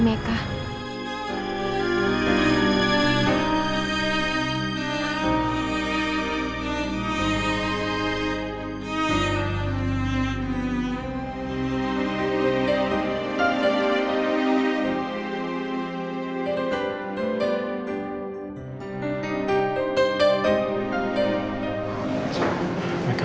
mereka mah anusik